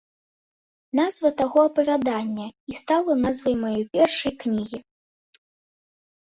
Назва таго апавядання і стала назвай маёй першай кнігі.